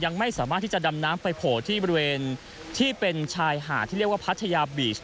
ยังไม่สามารถที่จะดำน้ำไปโผล่ที่บริเวณที่เป็นชายหาดที่เรียกว่าพัทยาบีช